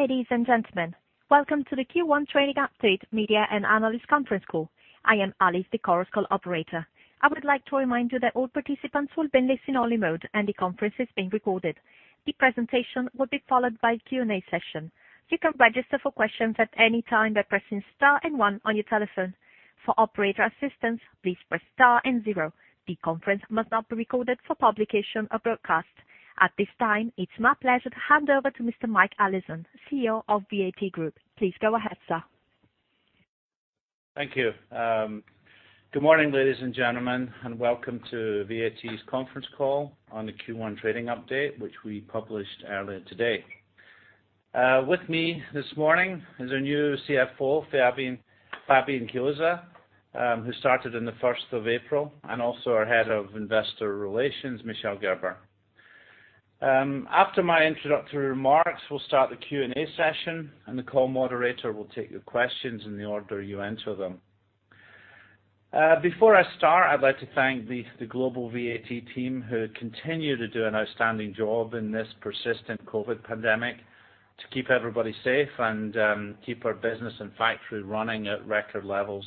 Ladies and gentlemen, welcome to the Q1 Trading Update Media and Analyst Conference Call. I am Alice, the conference call operator. I would like to remind you that all participants will be in listen-only mode, and the conference is being recorded. The presentation will be followed by a Q&A session. You can register for questions at any time by pressing star and one on your telephone. For operator assistance, please press star and zero. The conference must not be recorded for publication or broadcast. At this time, it's my pleasure to hand over to Mr. Mike Allison, CEO of VAT Group. Please go ahead, sir. Thank you. Good morning, ladies and gentlemen, and welcome to VAT's conference call on the Q1 trading update, which we published earlier today. With me this morning is our new CFO, Fabian Chiozza, who started on the 1st of April, and also our Head of Investor Relations, Michel Gerber. After my introductory remarks, we'll start the Q&A session, and the call moderator will take your questions in the order you enter them. Before I start, I'd like to thank the global VAT team, who continue to do an outstanding job in this persistent COVID pandemic to keep everybody safe and keep our business and factory running at record levels.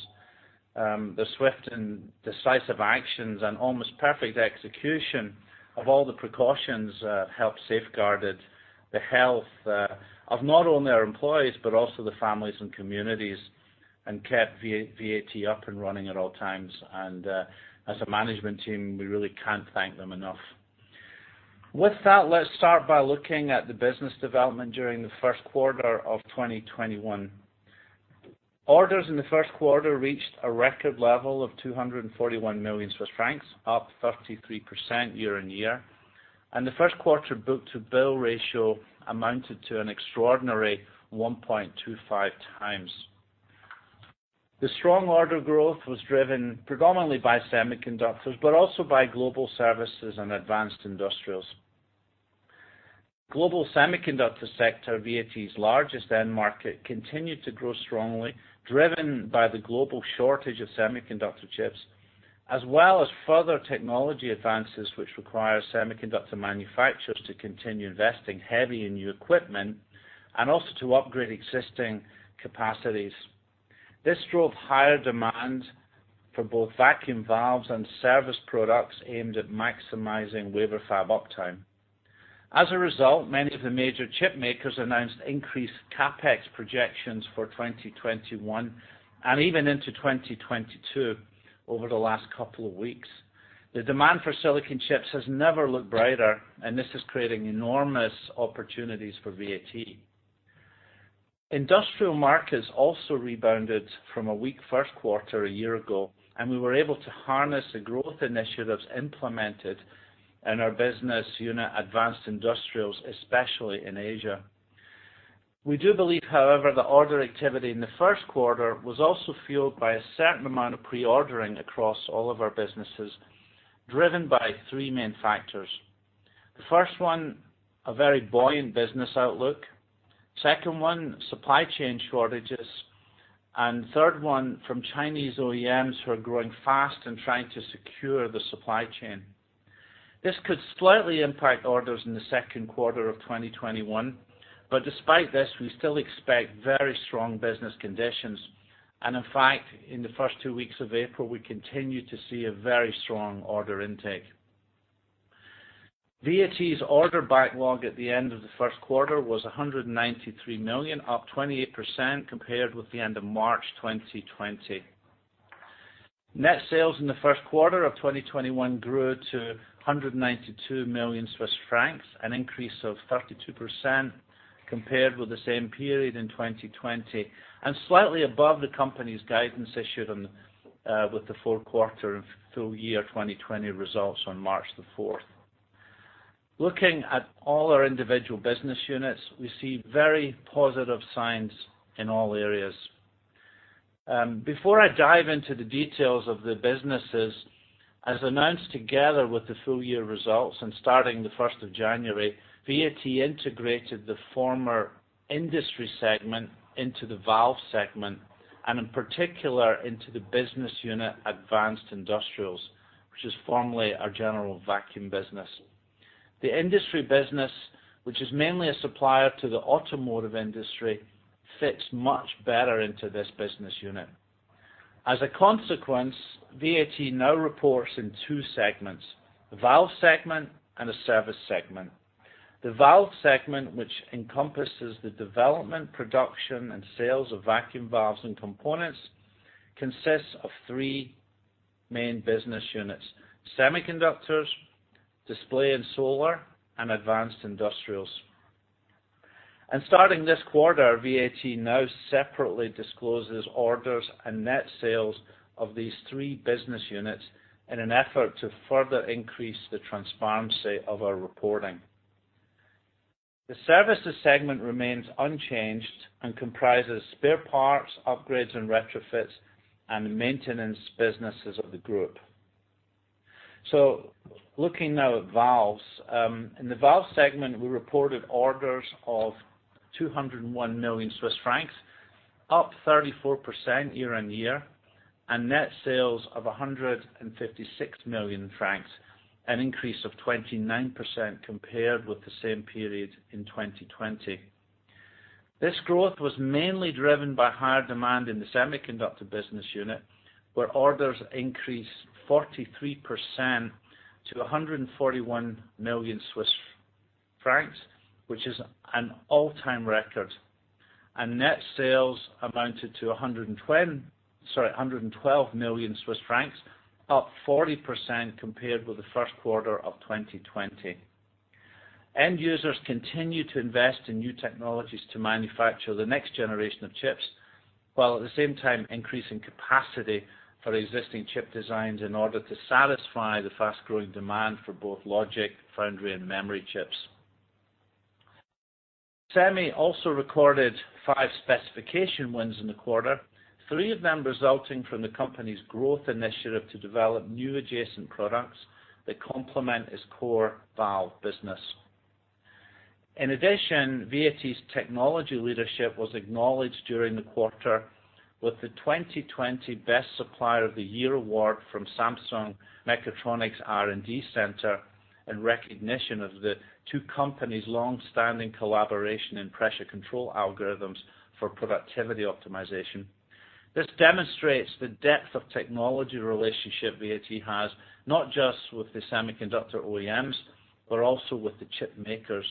The swift and decisive actions and almost perfect execution of all the precautions helped safeguarded the health of not only our employees, but also the families and communities, and kept VAT up and running at all times. As a management team, we really can't thank them enough. With that, let's start by looking at the business development during the first quarter of 2021. Orders in the first quarter reached a record level of 241 million Swiss francs, up 33% year-on-year, and the first quarter book-to-bill ratio amounted to an extraordinary 1.25x. The strong order growth was driven predominantly by semiconductors, but also by global services and advanced industrials. Global semiconductor sector, VAT's largest end market, continued to grow strongly, driven by the global shortage of semiconductor chips, as well as further technology advances which require semiconductor manufacturers to continue investing heavily in new equipment and also to upgrade existing capacities. This drove higher demand for both vacuum valves and service products aimed at maximizing wafer fab uptime. As a result, many of the major chip makers announced increased CapEx projections for 2021 and even into 2022 over the last couple of weeks. The demand for silicon chips has never looked brighter, this is creating enormous opportunities for VAT. Industrial markets also rebounded from a weak first quarter a year ago, we were able to harness the growth initiatives implemented in our business unit, Advanced Industrials, especially in Asia. We do believe, however, that order activity in the first quarter was also fueled by a certain amount of pre-ordering across all of our businesses, driven by three main factors. The first one, a very buoyant business outlook. Second one, supply chain shortages. Third one, from Chinese OEMs who are growing fast and trying to secure the supply chain. This could slightly impact orders in the second quarter of 2021. Despite this, we still expect very strong business conditions. In fact, in the first two weeks of April, we continued to see a very strong order intake. VAT's order backlog at the end of the first quarter was 193 million, up 28% compared with the end of March 2020. Net sales in the first quarter of 2021 grew to 192 million Swiss francs, an increase of 32% compared with the same period in 2020 and slightly above the company's guidance issued with the full quarter and full year 2020 results on March 4th. Looking at all our individual business units, we see very positive signs in all areas. Before I dive into the details of the businesses, as announced together with the full-year results and starting the 1st of January, VAT integrated the former industry segment into the valve segment, and in particular into the business unit Advanced Industrials, which is formerly our general vacuum business. The industry business, which is mainly a supplier to the automotive industry, fits much better into this business unit. As a consequence, VAT now reports in two segments, the valve segment and a service segment. The valve segment, which encompasses the development, production, and sales of vacuum valves and components, consists of three main business units: semiconductors, display and solar, and Advanced Industrials. Starting this quarter, VAT now separately discloses orders and net sales of these three business units in an effort to further increase the transparency of our reporting. The services segment remains unchanged and comprises spare parts, upgrades and retrofits, and maintenance businesses of the group. Looking now at valves. In the valve segment, we reported orders of 201 million Swiss francs, up 34% year-on-year, and net sales of 156 million francs, an increase of 29% compared with the same period in 2020. This growth was mainly driven by higher demand in the semiconductor business unit, where orders increased 43% to 141 million Swiss francs, which is an all-time record. Net sales amounted to 112 million Swiss francs, up 40% compared with the first quarter of 2020. End users continue to invest in new technologies to manufacture the next generation of chips, while at the same time increasing capacity for existing chip designs in order to satisfy the fast-growing demand for both logic, foundry, and memory chips. Semi also recorded five specification wins in the quarter, three of them resulting from the company's growth initiative to develop new adjacent products that complement its core valve business. In addition, VAT's technology leadership was acknowledged during the quarter with the 2020 Best Supplier of the Year Award from Samsung Mechatronics R&D Center, in recognition of the two companies' long-standing collaboration in pressure control algorithms for productivity optimization. This demonstrates the depth of technology relationship VAT has, not just with the semiconductor OEMs, but also with the chip makers.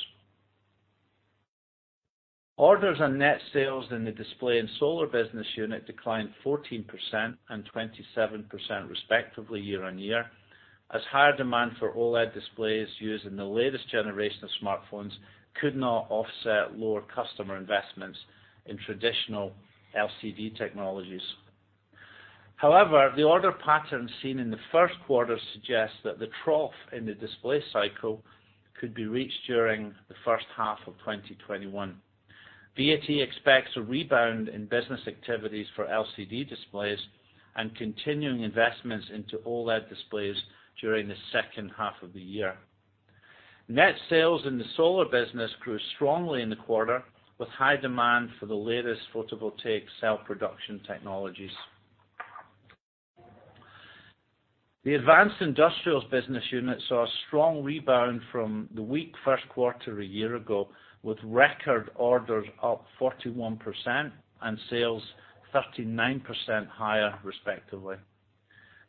Orders and net sales in the display and solar business unit declined 14% and 27% respectively year-on-year, as higher demand for OLED displays used in the latest generation of smartphones could not offset lower customer investments in traditional LCD technologies. However, the order pattern seen in the first quarter suggests that the trough in the display cycle could be reached during the first half of 2021. VAT expects a rebound in business activities for LCD displays and continuing investments into OLED displays during the second half of the year. Net sales in the solar business grew strongly in the quarter, with high demand for the latest photovoltaic cell production technologies. The advanced industrials business unit saw a strong rebound from the weak first quarter a year ago, with record orders up 41% and sales 39% higher respectively.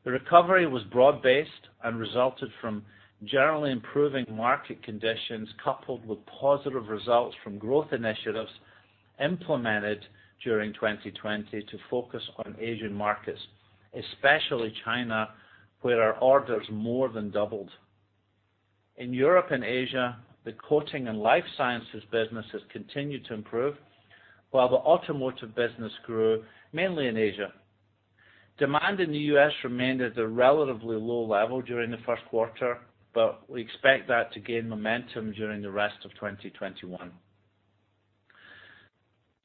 The recovery was broad-based and resulted from generally improving market conditions, coupled with positive results from growth initiatives implemented during 2020 to focus on Asian markets, especially China, where our orders more than doubled. In Europe and Asia, the coating and life sciences businesses continued to improve, while the automotive business grew mainly in Asia. Demand in the U.S. remained at a relatively low level during the first quarter, but we expect that to gain momentum during the rest of 2021.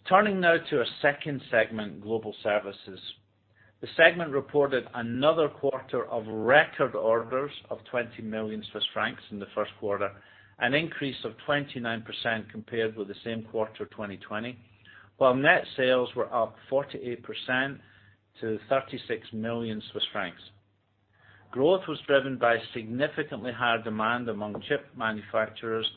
Turning now to our second segment, Global Services. The segment reported another quarter of record orders of 20 million Swiss francs in the first quarter, an increase of 29% compared with the same quarter 2020, while net sales were up 48% to 36 million Swiss francs. Growth was driven by significantly higher demand among chip manufacturers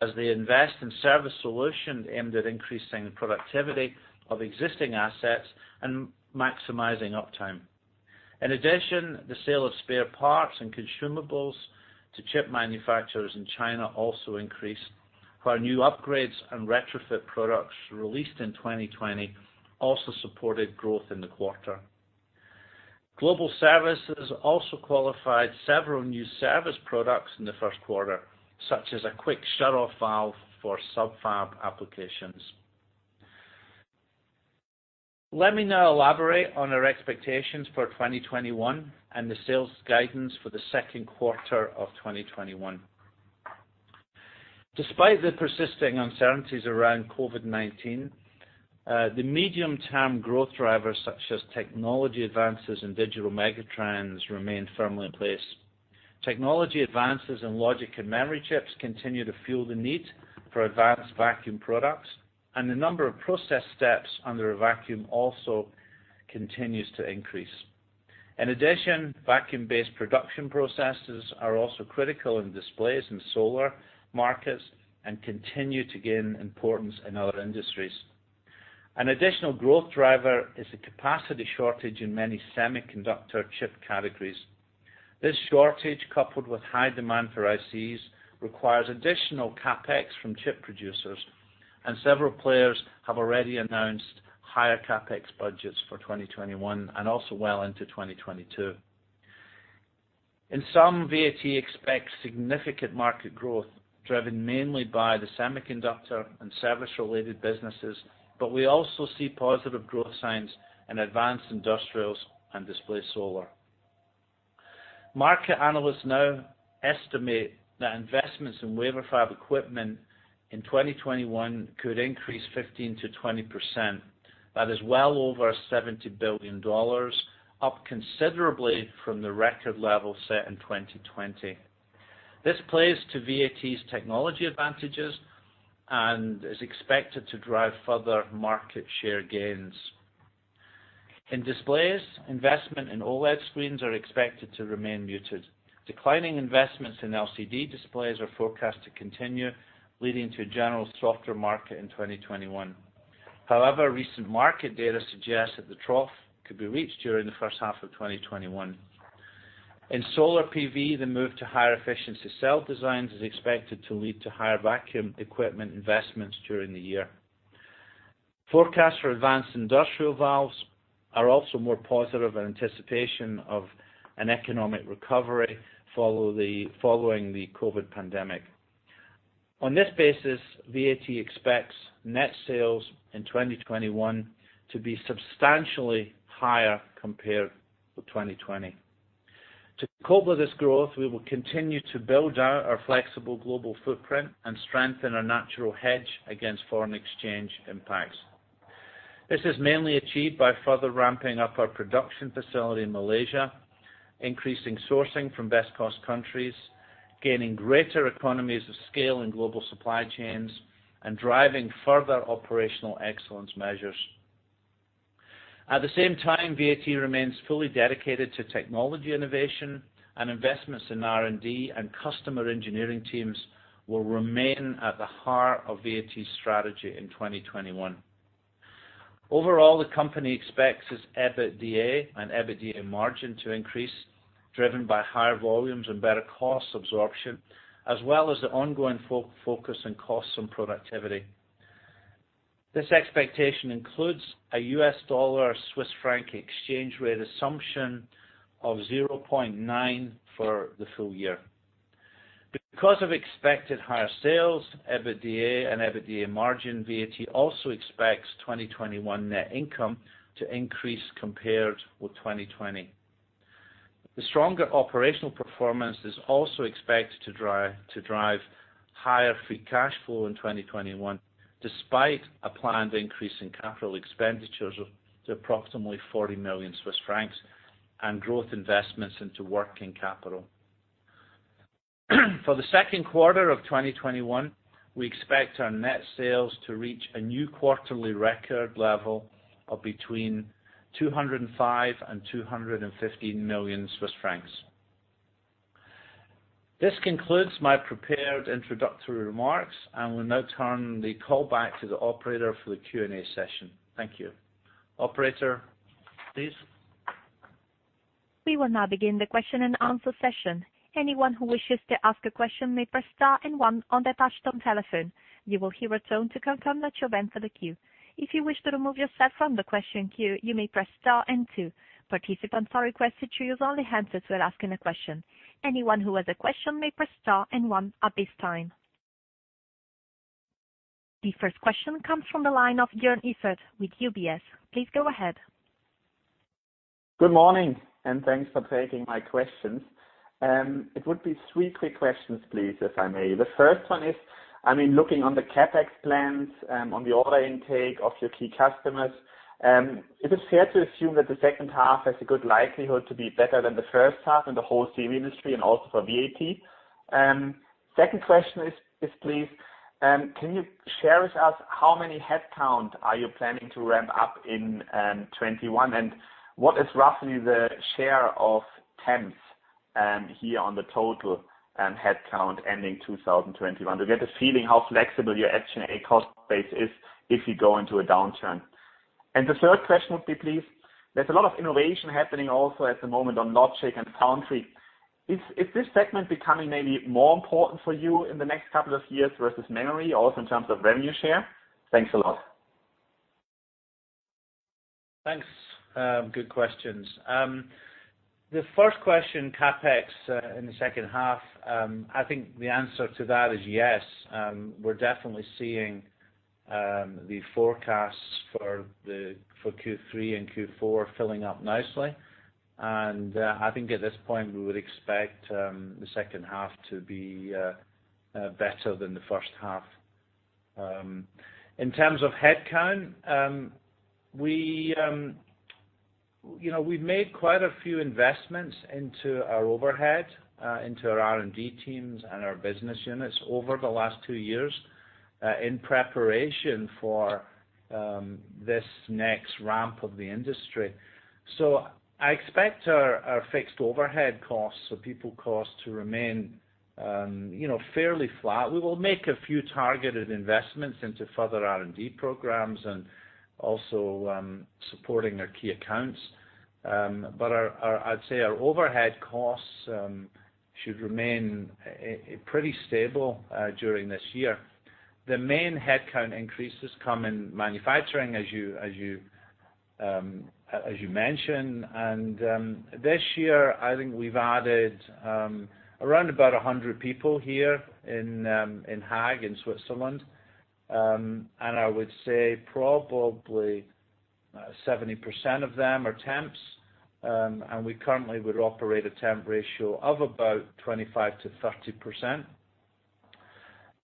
as they invest in service solutions aimed at increasing productivity of existing assets and maximizing uptime. In addition, the sale of spare parts and consumables to chip manufacturers in China also increased, while new upgrades and retrofit products released in 2020 also supported growth in the quarter. Global services also qualified several new service products in the first quarter, such as a quick shut-off valve for sub-fab applications. Let me now elaborate on our expectations for 2021 and the sales guidance for the second quarter of 2021. Despite the persisting uncertainties around COVID-19, the medium-term growth drivers such as technology advances and digital megatrends remain firmly in place. Technology advances in logic and memory chips continue to fuel the need for advanced vacuum products, and the number of process steps under a vacuum also continues to increase. In addition, vacuum-based production processes are also critical in displays in solar markets and continue to gain importance in other industries. An additional growth driver is the capacity shortage in many semiconductor chip categories. This shortage, coupled with high demand for ICs, requires additional CapEx from chip producers, and several players have already announced higher CapEx budgets for 2021 and also well into 2022. In sum, VAT expects significant market growth driven mainly by the semiconductor and service-related businesses, but we also see positive growth signs in advanced industrials and display solar. Market analysts now estimate that investments in wafer fab equipment in 2021 could increase 15%-20%. That is well over CHF 70 billion, up considerably from the record level set in 2020. This plays to VAT's technology advantages and is expected to drive further market share gains. In displays, investment in OLED screens are expected to remain muted. Declining investments in LCD displays are forecast to continue, leading to a general softer market in 2021. However, recent market data suggests that the trough could be reached during the first half of 2021. In solar PV, the move to higher efficiency cell designs is expected to lead to higher vacuum equipment investments during the year. Forecasts for advanced industrial valves are also more positive in anticipation of an economic recovery following the COVID pandemic. On this basis, VAT expects net sales in 2021 to be substantially higher compared with 2020. To cope with this growth, we will continue to build out our flexible global footprint and strengthen our natural hedge against foreign exchange impacts. This is mainly achieved by further ramping up our production facility in Malaysia, increasing sourcing from best-cost countries, gaining greater economies of scale in global supply chains, and driving further operational excellence measures. At the same time, VAT remains fully dedicated to technology innovation and investments in R&D, and customer engineering teams will remain at the heart of VAT's strategy in 2021. Overall, the company expects its EBITDA and EBITDA margin to increase, driven by higher volumes and better cost absorption, as well as the ongoing focus on costs and productivity. This expectation includes a US dollar-Swiss franc exchange rate assumption of 0.9 for the full year. Because of expected higher sales, EBITDA and EBITDA margin, VAT also expects 2021 net income to increase compared with 2020. The stronger operational performance is also expected to drive higher free cash flow in 2021, despite a planned increase in capital expenditures of approximately 40 million Swiss francs and growth investments into working capital. For the second quarter of 2021, we expect our net sales to reach a new quarterly record level of between 205 million and 215 million Swiss francs. This concludes my prepared introductory remarks, and we'll now turn the call back to the operator for the Q&A session. Thank you. Operator, please. The first question comes from the line of Joern Iffert with UBS. Please go ahead. Good morning, and thanks for taking my questions. It would be three quick questions, please, if I may. The first one is, looking on the CapEx plans on the order intake of your key customers, is it fair to assume that the second half has a good likelihood to be better than the first half in the whole semi industry and also for VAT? Second question is, please, can you share with us how many headcount are you planning to ramp up in 2021? What is roughly the share of temps here on the total headcount ending 2021? To get a feeling how flexible your G&A cost base is if you go into a downturn. The third question would be, please, there's a lot of innovation happening also at the moment on logic and foundry. Is this segment becoming maybe more important for you in the next couple of years versus memory also in terms of revenue share? Thanks a lot. Thanks. Good questions. The first question, CapEx in the second half, I think the answer to that is yes. We're definitely seeing the forecasts for Q3 and Q4 filling up nicely, and I think at this point, we would expect the second half to be better than the first half. In terms of headcount, we've made quite a few investments into our overhead, into our R&D teams and our business units over the last two years, in preparation for this next ramp of the industry. I expect our fixed overhead costs, so people cost to remain fairly flat. We will make a few targeted investments into further R&D programs and also supporting our key accounts. I'd say our overhead costs should remain pretty stable during this year. The main headcount increases come in manufacturing, as you mentioned. This year, I think we've added around about 100 people here in Haag, in Switzerland. I would say probably 70% of them are temps. We currently would operate a temp ratio of about 25%-30%.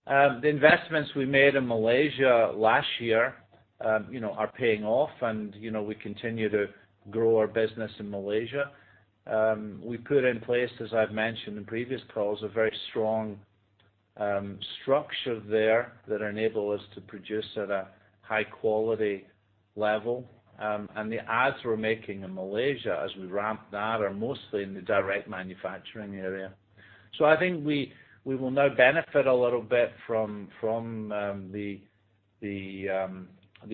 The investments we made in Malaysia last year are paying off, and we continue to grow our business in Malaysia. We put in place, as I've mentioned in previous calls, a very strong structure there that enable us to produce at a high-quality level. The adds we're making in Malaysia, as we ramp that, are mostly in the direct manufacturing area. I think we will now benefit a little bit from the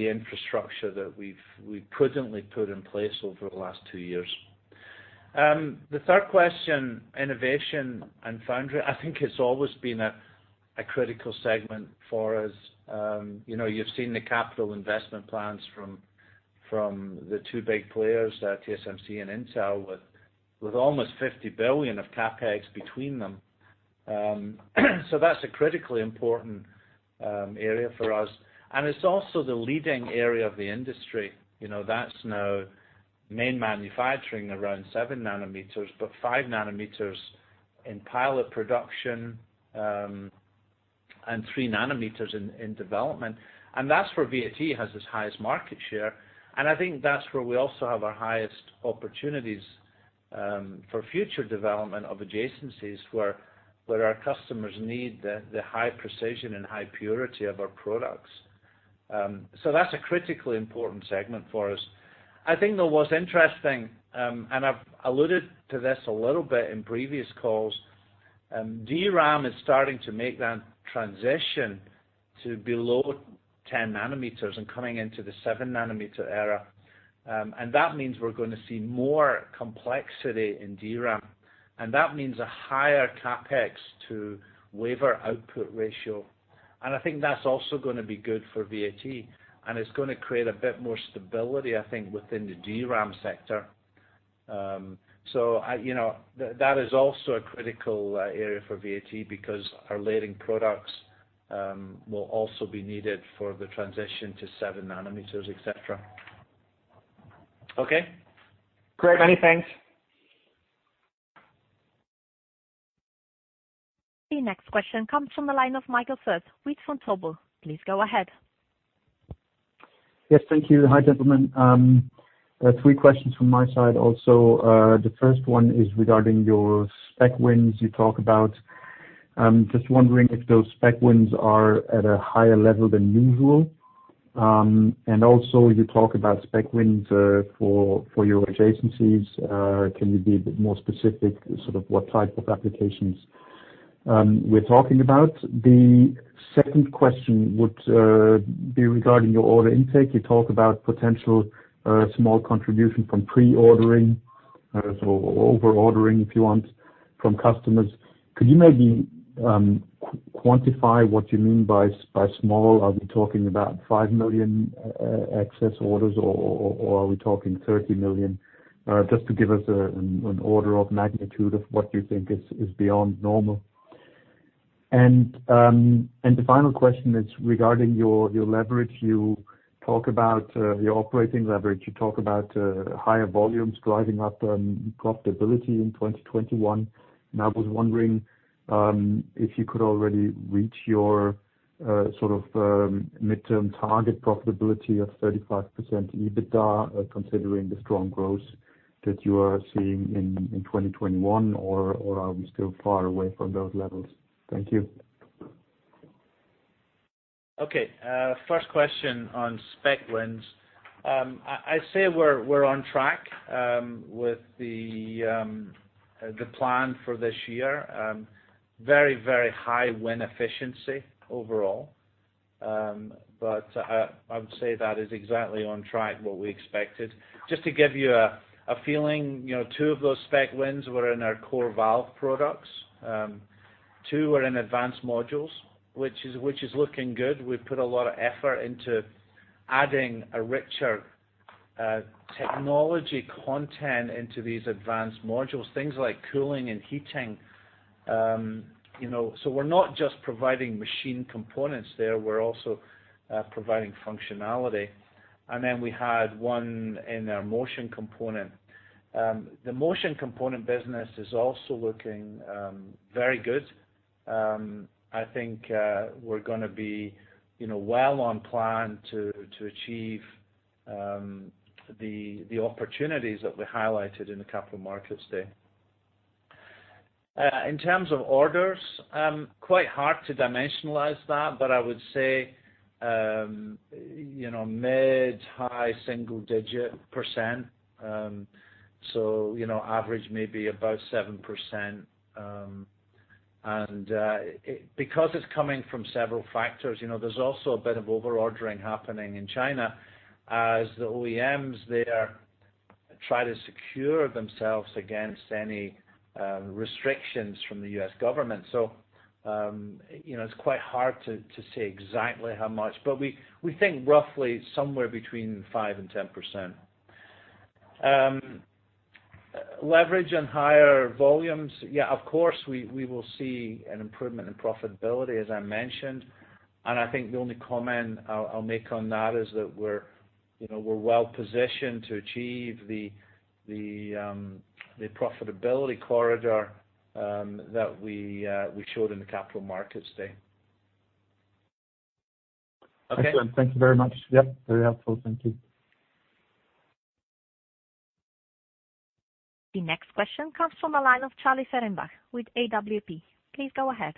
infrastructure that we've prudently put in place over the last two years. The third question, innovation and foundry, I think has always been a critical segment for us. You've seen the capital investment plans from the two big players, TSMC and Intel, with almost 50 billion of CapEx between them. That's a critically important area for us, and it's also the leading area of the industry. That's now main manufacturing around seven nanometers, but five nanometers in pilot production, and three nanometers in development. That's where VAT has its highest market share. I think that's where we also have our highest opportunities for future development of adjacencies, where our customers need the high precision and high purity of our products. That's a critically important segment for us. I think that what's interesting, and I've alluded to this a little bit in previous calls, DRAM is starting to make that transition to below 10 nanometers and coming into the seven-nanometer era. That means we're going to see more complexity in DRAM. That means a higher CapEx to wafer output ratio. I think that's also going to be good for VAT, and it's going to create a bit more stability, I think, within the DRAM sector. That is also a critical area for VAT because our layering products will also be needed for the transition to seven nanometers, et cetera. Okay? Great. Many thanks. The next question comes from the line of Michael Foeth with Vontobel. Please go ahead. Yes, thank you. Hi, gentlemen. Three questions from my side also. The first one is regarding your spec wins you talk about. Just wondering if those spec wins are at a higher level than usual. Also, you talk about spec wins for your adjacencies. Can you be a bit more specific, sort of what type of applications we're talking about? The second question would be regarding your order intake. You talk about potential small contribution from pre-ordering or over-ordering, if you want, from customers. Could you maybe quantify what you mean by small? Are we talking about 5 million excess orders, or are we talking 30 million? Just to give us an order of magnitude of what you think is beyond normal. The final question is regarding your leverage. You talk about your operating leverage. You talk about higher volumes driving up profitability in 2021. I was wondering if you could already reach your midterm target profitability of 35% EBITDA, considering the strong growth that you are seeing in 2021, or are we still far away from those levels? Thank you. Okay. First question on spec wins. I say we're on track with the plan for this year. Very, very high win efficiency overall. I would say that is exactly on track what we expected. Just to give you a feeling, two of those spec wins were in our core valve products. Two were in advanced modules, which is looking good. We put a lot of effort into adding a richer technology content into these advanced modules, things like cooling and heating. We're not just providing machine components there, we're also providing functionality. We had one in our motion components. The motion components business is also looking very good. I think we're going to be well on plan to achieve the opportunities that we highlighted in the capital markets day. In terms of orders, quite hard to dimensionalize that, but I would say mid-high single-digit %. Average may be about 7%. Because it's coming from several factors, there's also a bit of over-ordering happening in China as the OEMs there try to secure themselves against any restrictions from the U.S. government. It's quite hard to say exactly how much, but we think roughly somewhere between 5% and 10%. Leverage and higher volumes. Yeah, of course, we will see an improvement in profitability, as I mentioned. I think the only comment I'll make on that is that we're well-positioned to achieve the profitability corridor that we showed in the capital markets day. Okay? Excellent. Thank you very much. Yep, very helpful. Thank you. The next question comes from the line of Charlie Fehrenbach with AWP. Please go ahead.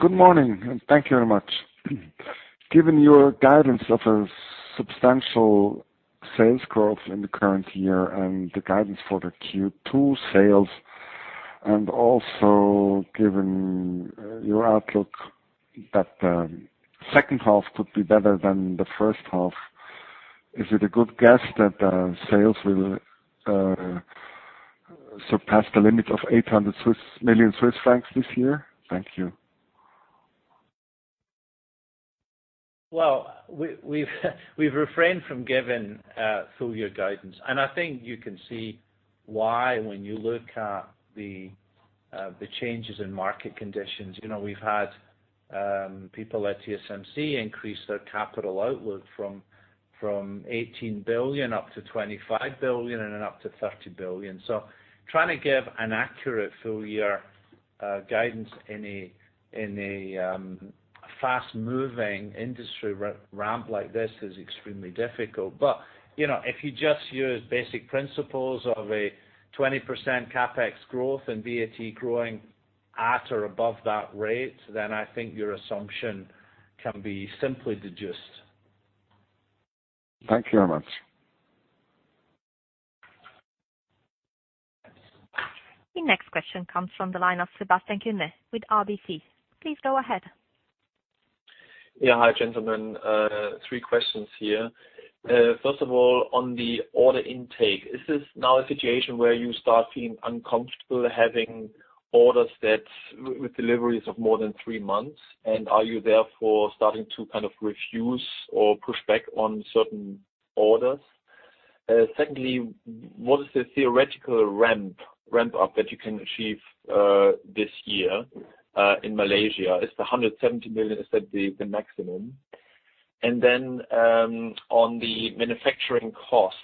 Good morning. Thank you very much. Given your guidance of a substantial sales growth in the current year and the guidance for the Q2 sales, and also given your outlook that the second half could be better than the first half, is it a good guess that sales will surpass the limit of 800 million Swiss francs this year? Thank you. Well, we've refrained from giving full-year guidance. I think you can see why when you look at the changes in market conditions. We've had people like TSMC increase their capital outlook from 18 billion up to 25 billion and then up to 30 billion. Trying to give an accurate full-year guidance in a fast-moving industry ramp like this is extremely difficult. If you just use basic principles of a 20% CapEx growth and VAT growing at or above that rate, I think your assumption can be simply deduced. Thank you very much. The next question comes from the line of Sebastian Kuenne with RBC. Please go ahead. Yeah. Hi, gentlemen. Three questions here. First of all, on the order intake, is this now a situation where you start feeling uncomfortable having orders with deliveries of more than three months? Are you therefore starting to kind of refuse or push back on certain orders? Secondly, what is the theoretical ramp-up that you can achieve this year in Malaysia? Is the 170 million, is that the maximum? On the manufacturing costs,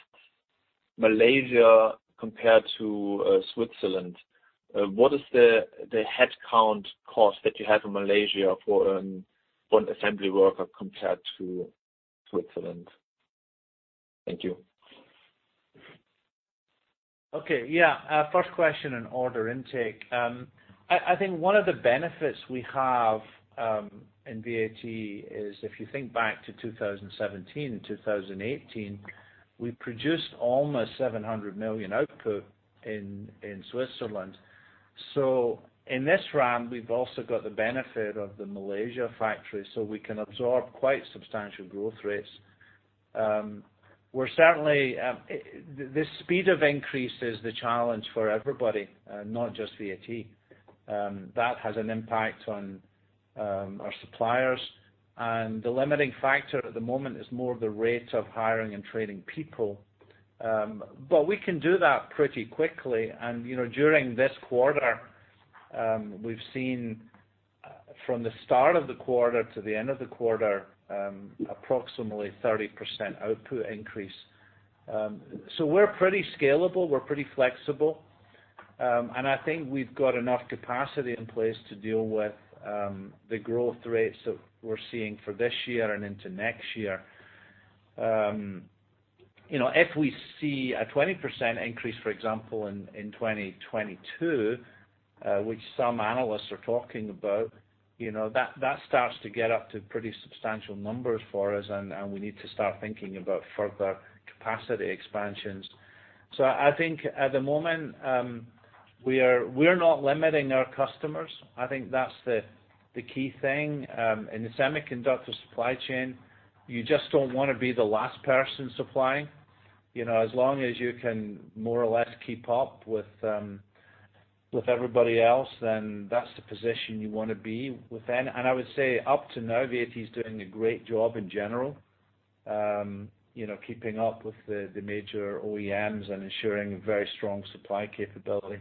Malaysia compared to Switzerland, what is the headcount cost that you have in Malaysia for one assembly worker compared to Switzerland? Thank you. Okay. Yeah. First question on order intake. I think one of the benefits we have in VAT is if you think back to 2017 and 2018, we produced almost 700 million output in Switzerland. In this round, we've also got the benefit of the Malaysia factory, so we can absorb quite substantial growth rates. The speed of increase is the challenge for everybody, not just VAT. That has an impact on our suppliers, and the limiting factor at the moment is more the rate of hiring and training people. We can do that pretty quickly. During this quarter, we've seen from the start of the quarter to the end of the quarter, approximately 30% output increase. We're pretty scalable, we're pretty flexible, and I think we've got enough capacity in place to deal with the growth rates that we're seeing for this year and into next year. If we see a 20% increase, for example, in 2022, which some analysts are talking about, that starts to get up to pretty substantial numbers for us, and we need to start thinking about further capacity expansions. I think at the moment, we're not limiting our customers. I think that's the key thing. In the semiconductor supply chain, you just don't want to be the last person supplying. As long as you can more or less keep up with everybody else, then that's the position you want to be within. I would say up to now, VAT is doing a great job in general, keeping up with the major OEMs and ensuring very strong supply capability.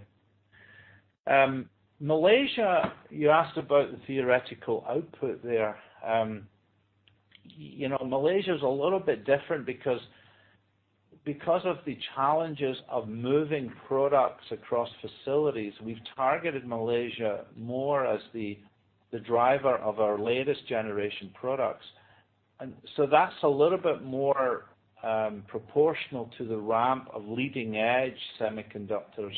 Malaysia, you asked about the theoretical output there. Malaysia is a little bit different because of the challenges of moving products across facilities. We've targeted Malaysia more as the driver of our latest generation products. That's a little bit more proportional to the ramp of leading-edge semiconductors,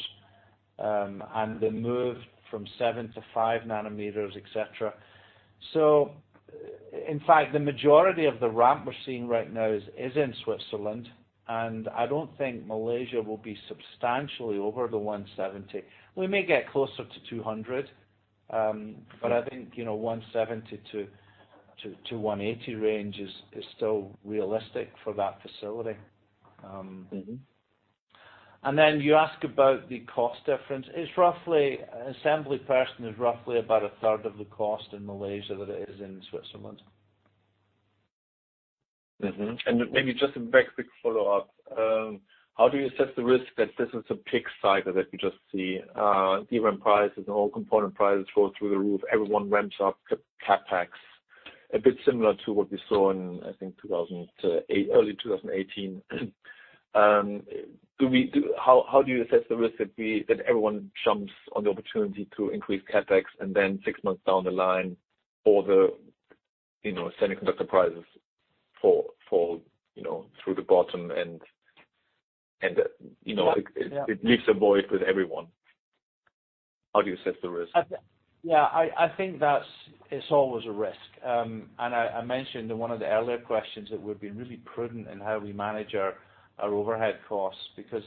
and the move from seven to five nanometers, et cetera. In fact, the majority of the ramp we're seeing right now is in Switzerland, and I don't think Malaysia will be substantially over the 170. We may get closer to 200, but I think 170-180 range is still realistic for that facility. Then you ask about the cost difference. Assembly person is roughly about a third of the cost in Malaysia than it is in Switzerland. Maybe just a very quick follow-up. How do you assess the risk that this is a pig cycle that we just see DRAM prices and all component prices go through the roof, everyone ramps up CapEx, a bit similar to what we saw in, I think, early 2018. How do you assess the risk that everyone jumps on the opportunity to increase CapEx and then six months down the line, all the semiconductor prices fall through the bottom. Yeah It leaves a void with everyone. How do you assess the risk? Yeah, I think that it's always a risk. I mentioned in one of the earlier questions that we've been really prudent in how we manage our overhead costs, because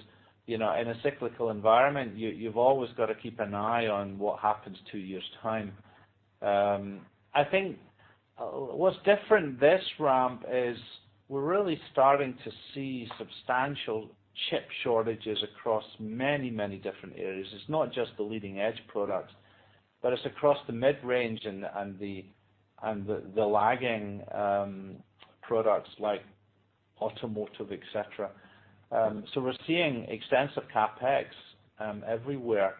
in a cyclical environment, you've always got to keep an eye on what happens two years' time. I think what's different this ramp is we're really starting to see substantial chip shortages across many different areas. It's not just the leading-edge products, but it's across the mid-range and the lagging products like automotive, et cetera. We're seeing extensive CapEx everywhere.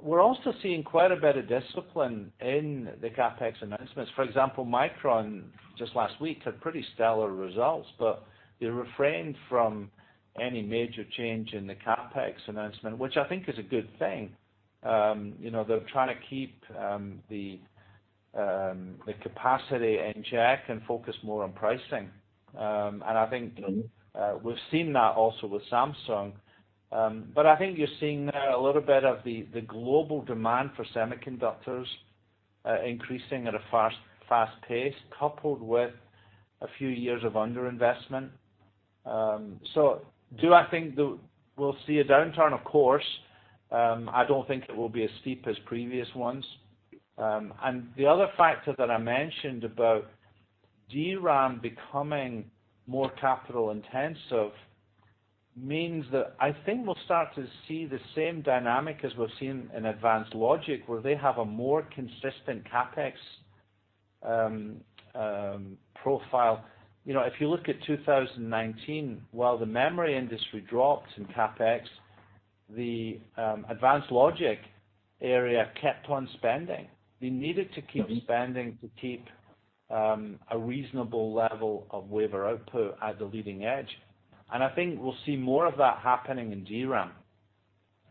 We're also seeing quite a bit of discipline in the CapEx announcements. For example, Micron, just last week, had pretty stellar results, but they refrained from any major change in the CapEx announcement, which I think is a good thing. They're trying to keep the capacity in check and focus more on pricing. I think we've seen that also with Samsung. But I think you're seeing there a little bit of the global demand for semiconductors increasing at a fast pace, coupled with a few years of underinvestment. Do I think that we'll see a downturn? Of course. I don't think it will be as steep as previous ones. The other factor that I mentioned about DRAM becoming more capital-intensive means that I think we'll start to see the same dynamic as we've seen in advanced logic, where they have a more consistent CapEx profile. If you look at 2019, while the memory industry dropped in CapEx, the advanced logic area kept on spending. They needed to keep spending to keep a reasonable level of wafer output at the leading edge. I think we'll see more of that happening in DRAM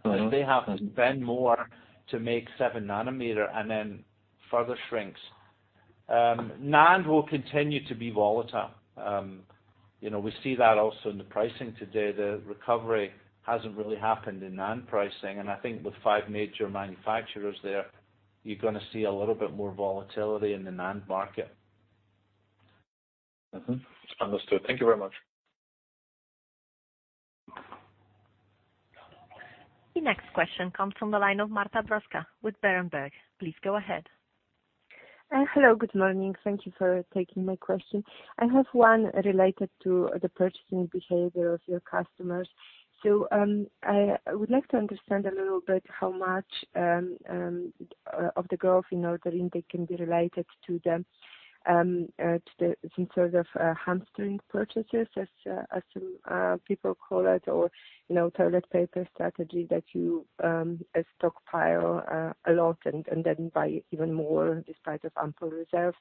as they have to spend more to make 7 nanometer and then further shrinks. NAND will continue to be volatile. We see that also in the pricing today. The recovery hasn't really happened in NAND pricing, and I think with five major manufacturers there, you're going to see a little bit more volatility in the NAND market. Understood. Thank you very much. The next question comes from the line of Marta Brzoska with Berenberg. Please go ahead. Hello, good morning. Thank you for taking my question. I have one related to the purchasing behavior of your customers. I would like to understand a little bit how much of the growth in ordering that can be related to them, to some sort of hamster purchases, as some people call it, or toilet paper strategy that you stockpile a lot and then buy even more despite ample reserves?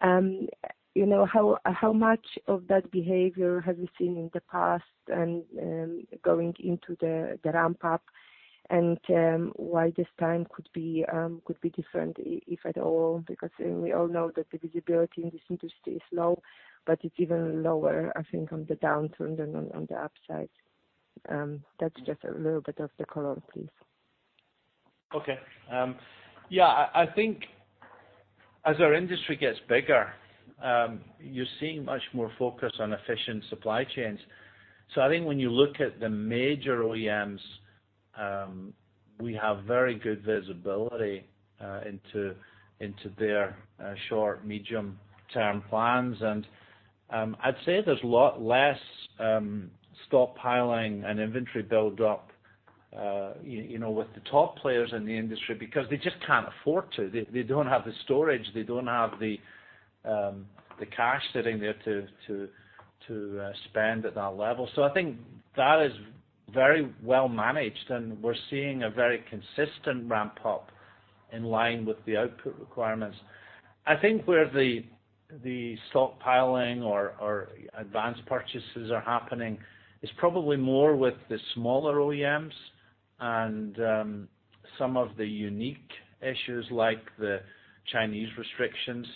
How much of that behavior have you seen in the past and going into the ramp-up, and why this time could be different, if at all? Because we all know that the visibility in this industry is low, but it's even lower, I think, on the downturn than on the upside. That's just a little bit of the color, please. Okay. Yeah, I think as our industry gets bigger, you're seeing much more focus on efficient supply chains. I think when you look at the major OEMs, we have very good visibility into their short, medium-term plans. I'd say there's a lot less stockpiling and inventory build-up with the top players in the industry, because they just can't afford to. They don't have the storage, they don't have the cash sitting there to spend at that level. I think that is very well managed, and we're seeing a very consistent ramp-up in line with the output requirements. I think where the stockpiling or advanced purchases are happening is probably more with the smaller OEMs and some of the unique issues, like the Chinese restrictions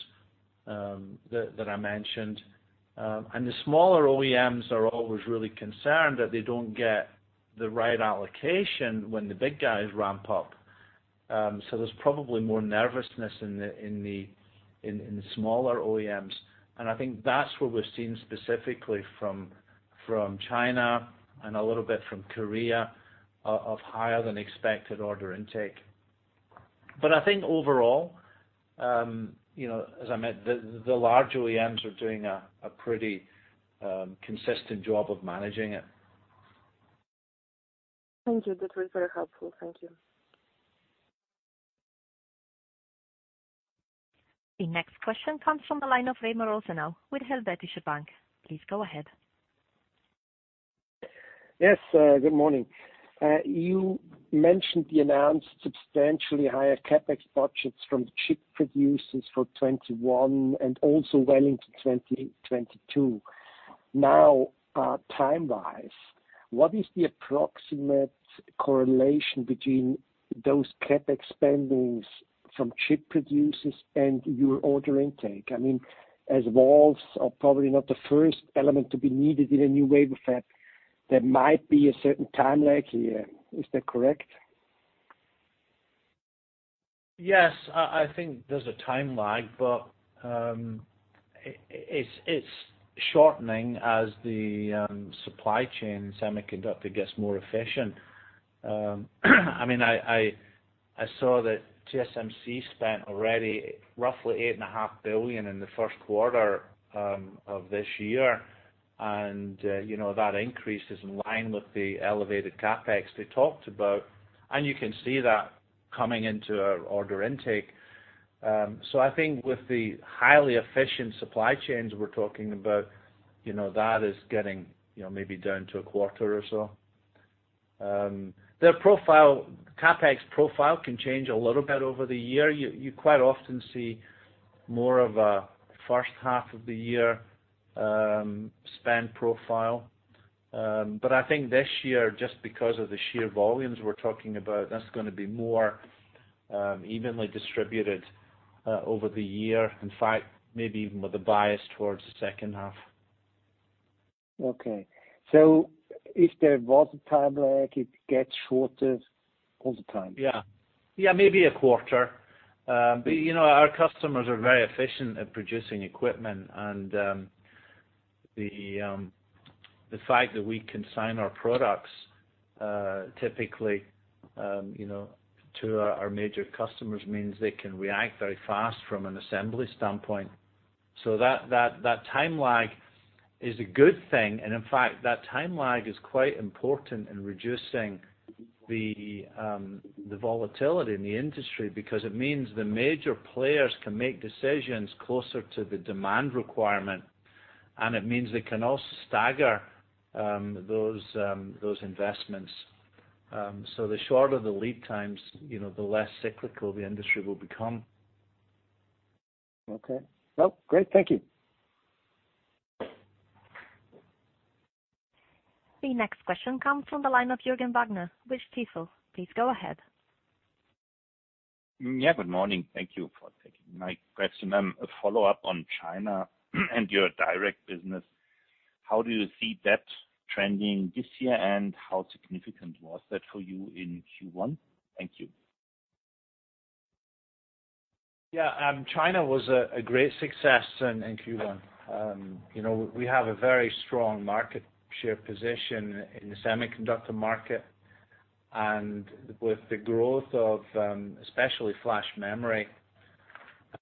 that I mentioned. The smaller OEMs are always really concerned that they don't get the right allocation when the big guys ramp up. There's probably more nervousness in the smaller OEMs, and I think that's where we're seeing specifically from China and a little bit from Korea, of higher than expected order intake. I think overall, as I meant, the large OEMs are doing a pretty consistent job of managing it. Thank you. That was very helpful. Thank you. The next question comes from the line of Remo Rosenau with Helvetische Bank. Please go ahead. Yes, good morning. You mentioned the announced substantially higher CapEx budgets from the chip producers for 2021 and also well into 2022. Time-wise, what is the approximate correlation between those CapEx spendings from chip producers and your order intake? As valves are probably not the first element to be needed in a new wafer fab, there might be a certain time lag here. Is that correct? I think there's a time lag, but it's shortening as the supply chain semiconductor gets more efficient. I saw that TSMC spent already roughly 8.5 billion in the first quarter of this year, and that increase is in line with the elevated CapEx they talked about, and you can see that coming into our order intake. I think with the highly efficient supply chains we're talking about, that is getting maybe down to a quarter or so. Their CapEx profile can change a little bit over the year. You quite often see more of a first half of the year spend profile. I think this year, just because of the sheer volumes we're talking about, that's going to be more evenly distributed over the year. In fact, maybe even with a bias towards the second half. Okay. If there was a time lag, it gets shorter all the time? Yeah. Maybe a quarter. Our customers are very efficient at producing equipment, and the fact that we consign our products typically to our major customers means they can react very fast from an assembly standpoint. That time lag is a good thing, and in fact, that time lag is quite important in reducing the volatility in the industry, because it means the major players can make decisions closer to the demand requirement. It means they can also stagger those investments. The shorter the lead times, the less cyclical the industry will become. Okay. Well, great. Thank you. The next question comes from the line of Jürgen Wagner with Stifel. Please go ahead. Yeah, good morning. Thank you for taking my question. A follow-up on China and your direct business, how do you see that trending this year, and how significant was that for you in Q1? Thank you. Yeah. China was a great success in Q1. We have a very strong market share position in the semiconductor market, and with the growth of especially flash memory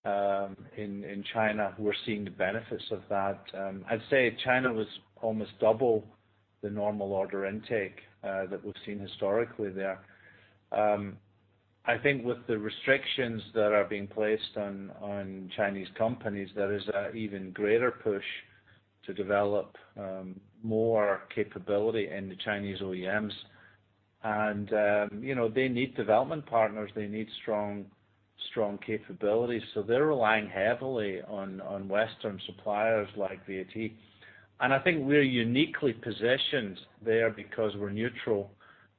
in China, we're seeing the benefits of that. I'd say China was almost double the normal order intake that we've seen historically there. I think with the restrictions that are being placed on Chinese companies, there is an even greater push to develop more capability in the Chinese OEMs. They need development partners, they need strong capabilities, so they're relying heavily on Western suppliers like VAT. I think we're uniquely positioned there because we're neutral,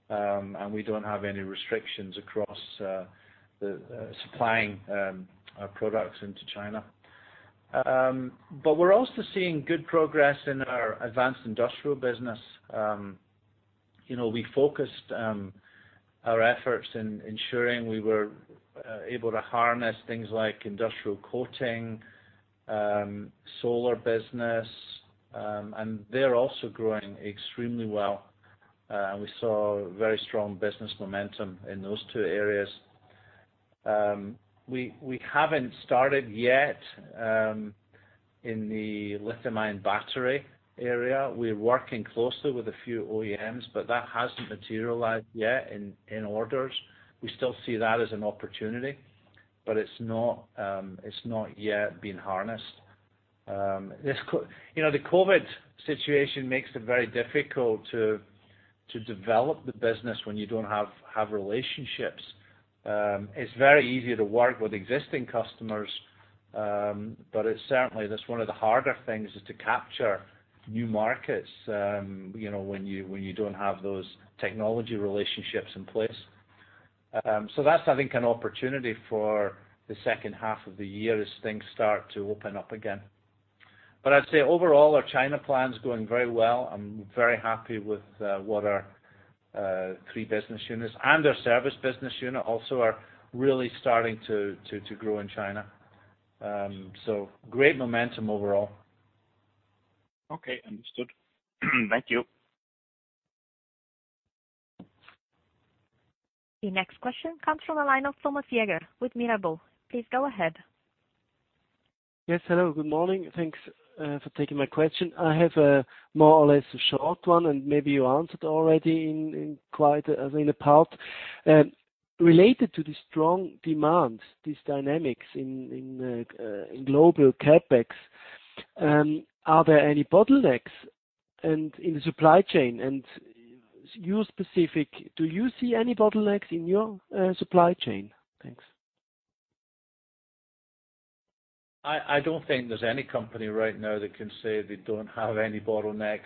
and we don't have any restrictions across supplying our products into China. We're also seeing good progress in our advanced industrial business. We focused our efforts in ensuring we were able to harness things like industrial coating, solar business, and they're also growing extremely well. We saw very strong business momentum in those two areas. We haven't started yet in the lithium-ion battery area. We're working closely with a few OEMs, but that hasn't materialized yet in orders. We still see that as an opportunity, but it's not yet been harnessed. The COVID situation makes it very difficult to develop the business when you don't have relationships. It's very easy to work with existing customers, but certainly, that's one of the harder things, is to capture new markets when you don't have those technology relationships in place. That's, I think, an opportunity for the second half of the year as things start to open up again. I'd say overall, our China plan is going very well. I'm very happy with what our three business units and our service business unit also are really starting to grow in China. Great momentum overall. Okay, understood. Thank you. The next question comes from the line of Thomas Jäger with Mirabaud. Please go ahead. Yes. Hello, good morning. Thanks for taking my question. I have more or less a short one, and maybe you answered already in a part. Related to the strong demand, these dynamics in global CapEx, are there any bottlenecks in the supply chain? You specific, do you see any bottlenecks in your supply chain? Thanks. I don't think there's any company right now that can say they don't have any bottlenecks.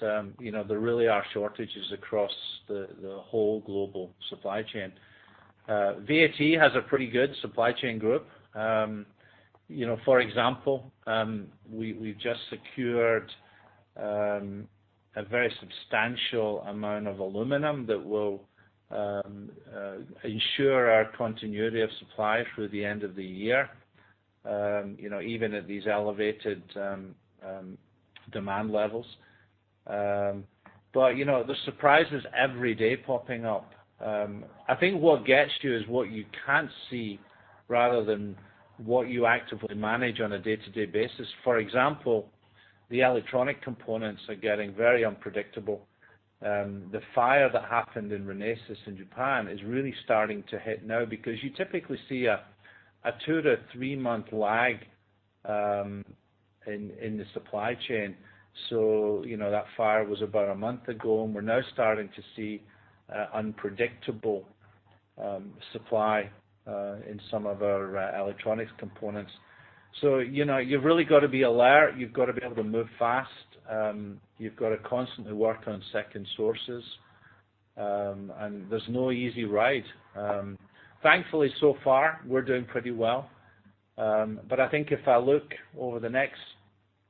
There really are shortages across the whole global supply chain. VAT has a pretty good supply chain group. For example, we've just secured a very substantial amount of aluminum that will ensure our continuity of supply through the end of the year, even at these elevated demand levels. There's surprises every day popping up. I think what gets you is what you can't see rather than what you actively manage on a day-to-day basis. For example, the electronic components are getting very unpredictable. The fire that happened in Renesas in Japan is really starting to hit now because you typically see a two to three-month lag in the supply chain. That fire was about a month ago, and we're now starting to see unpredictable supply in some of our electronics components. You've really got to be alert. You've got to be able to move fast. You've got to constantly work on second sources. There's no easy ride. Thankfully, so far, we're doing pretty well. I think if I look over the next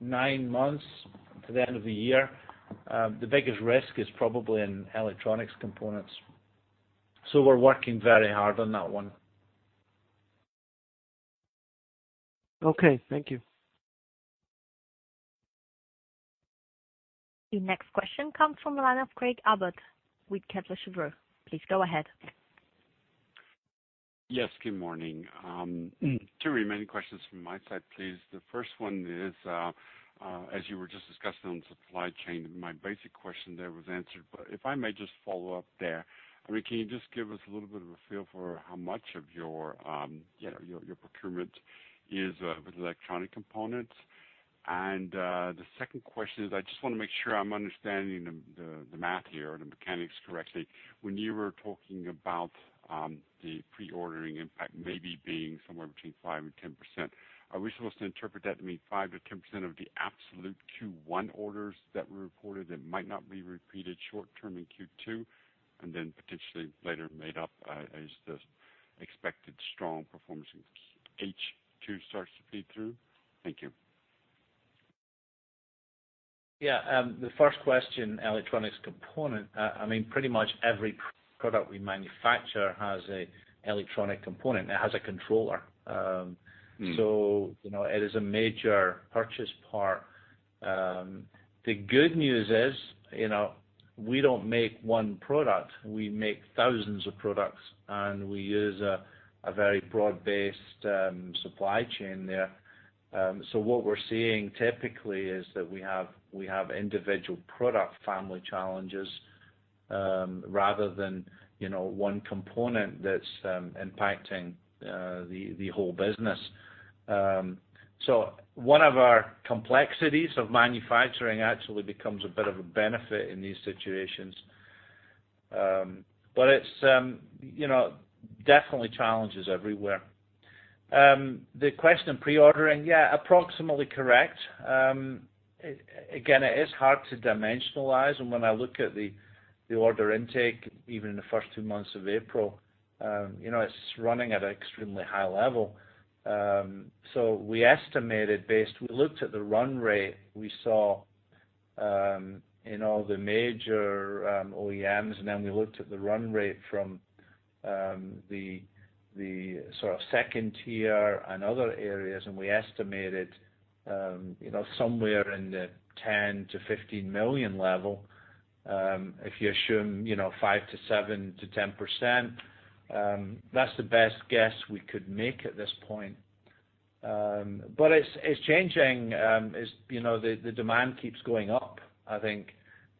nine months to the end of the year, the biggest risk is probably in electronics components. We're working very hard on that one. Okay. Thank you. The next question comes from the line of Craig Abbott with Kepler Cheuvreux. Please go ahead. Yes, good morning. Two remaining questions from my side, please. The first one is, as you were just discussing on supply chain, my basic question there was answered. If I may just follow up there. The second question is, I just want to make sure I'm understanding the math here or the mechanics correctly. When you were talking about the pre-ordering impact maybe being somewhere between 5%-10%, are we supposed to interpret that to mean 5%-10% of the absolute Q1 orders that were reported that might not be repeated short term in Q2, and then potentially later made up as the expected strong performance in H2 starts to feed through? Thank you. The first question, electronic component, pretty much every product we manufacture has an electronic component, it has a controller. It is a major purchase part. The good news is, we don't make one product. We make thousands of products, and we use a very broad-based supply chain there. What we're seeing typically is that we have individual product family challenges, rather than one component that's impacting the whole business. One of our complexities of manufacturing actually becomes a bit of a benefit in these situations. It's definitely challenges everywhere. The question pre-ordering, yeah, approximately correct. Again, it is hard to dimensionalize, and when I look at the order intake, even in the first two months of April, it's running at an extremely high level. We estimated. We looked at the run rate we saw in all the major OEMs, and then we looked at the run rate from the sort of second tier and other areas, and we estimated somewhere in the 10 million to 15 million level. If you assume 5%-7% to 10%, that's the best guess we could make at this point. It's changing. The demand keeps going up, I think.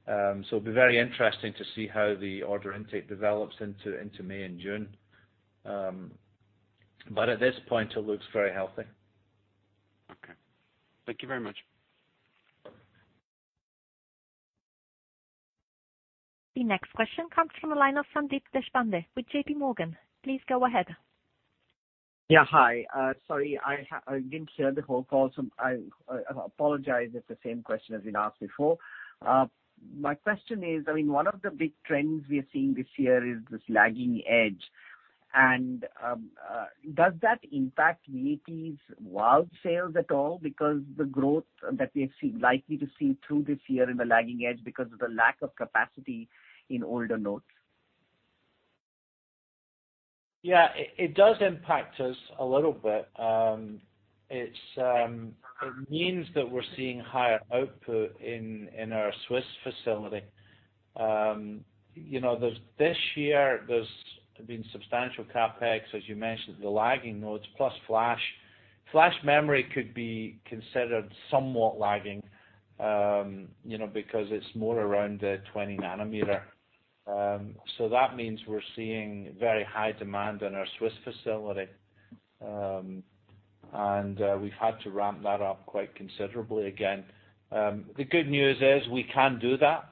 It'll be very interesting to see how the order intake develops into May and June. At this point, it looks very healthy. Okay. Thank you very much. The next question comes from the line of Sandeep Deshpande with JPMorgan. Please go ahead. Yeah. Hi. Sorry, I didn't hear the whole call, so I apologize if it's the same question that's been asked before. My question is, one of the big trends we are seeing this year is this lagging edge. Does that impact VAT's wafer sales at all because the growth that we are likely to see through this year in the lagging edge because of the lack of capacity in older nodes? Yeah. It does impact us a little bit. It means that we're seeing higher output in our Swiss facility. This year, there's been substantial CapEx, as you mentioned, the lagging nodes, plus flash. Flash memory could be considered somewhat lagging because it's more around the 20 nanometer. That means we're seeing very high demand in our Swiss facility. We've had to ramp that up quite considerably again. The good news is we can do that.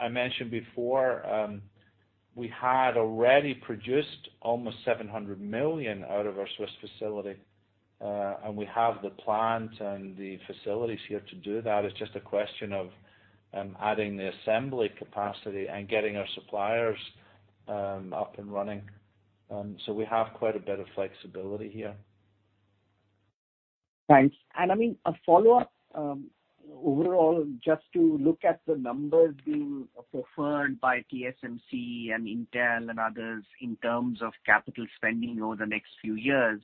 I mentioned before, we had already produced almost 700 million out of our Swiss facility. We have the plant and the facilities here to do that. It's just a question of adding the assembly capacity and getting our suppliers up and running. We have quite a bit of flexibility here. Thanks. A follow-up. Overall, just to look at the numbers being proffered by TSMC and Intel and others in terms of capital spending over the next few years,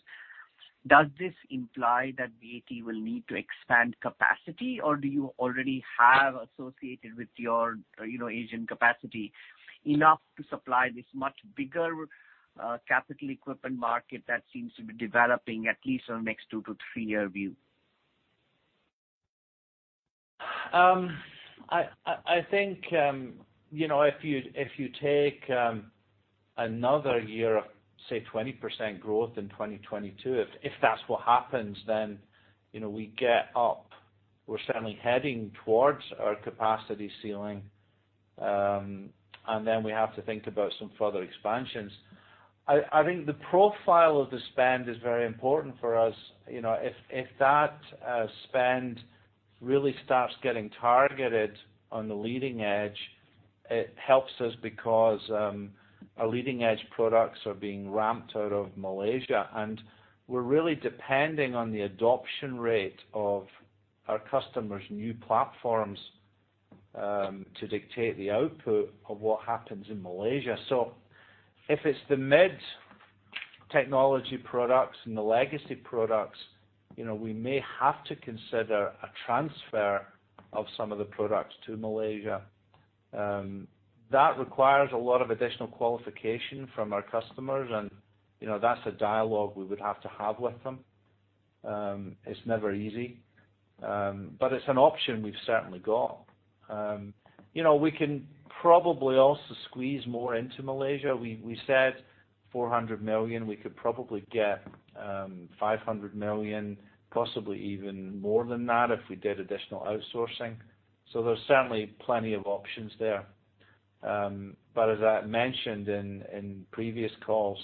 does this imply that VAT will need to expand capacity, or do you already have associated with your Asian capacity enough to supply this much bigger capital equipment market that seems to be developing at least on next two to three-year view? I think, if you take another year of, say, 20% growth in 2022, if that's what happens, then we get up. We're certainly heading towards our capacity ceiling. We have to think about some further expansions. I think the profile of the spend is very important for us. If that spend really starts getting targeted on the leading edge, it helps us because our leading-edge products are being ramped out of Malaysia. We're really depending on the adoption rate of our customers' new platforms to dictate the output of what happens in Malaysia. If it's the mid-technology products and the legacy products, we may have to consider a transfer of some of the products to Malaysia. That requires a lot of additional qualification from our customers, and that's a dialogue we would have to have with them. It's never easy, but it's an option we've certainly got. We can probably also squeeze more into Malaysia. We said 400 million. We could probably get 500 million, possibly even more than that if we did additional outsourcing. There's certainly plenty of options there. As I mentioned in previous calls,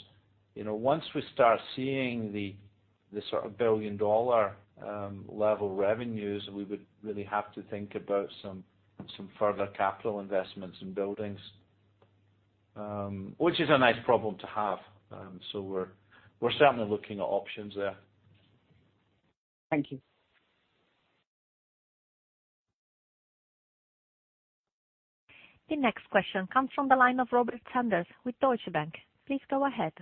once we start seeing the sort of billion-dollar level revenues, we would really have to think about some further capital investments in buildings, which is a nice problem to have. We're certainly looking at options there. Thank you. The next question comes from the line of Robert Sanders with Deutsche Bank. Please go ahead.